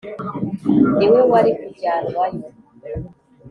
niwe wari kujyanwayo.